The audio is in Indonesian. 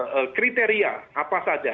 dan kriteria apa saja